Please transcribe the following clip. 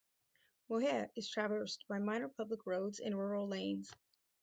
Moher is traversed by minor public roads and rural lanes.